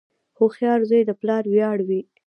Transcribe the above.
• هوښیار زوی د پلار ویاړ وي.